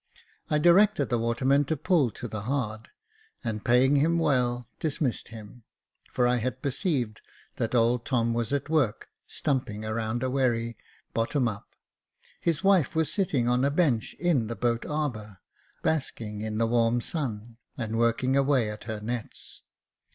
I directed the waterman to pull to the hard, and, paying him well, dismissed him ; for I had perceived that old Tom was at work stumping round a wherry, bottom up ; and his wife was sitting on a bench in the boat arbour, basking in the warm sun. 374 Jacob Faithful and working away at her nets.